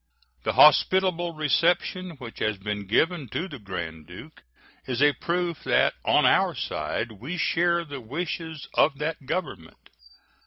The hospitable reception which has been given to the Grand Duke is a proof that on our side we share the wishes of that Government.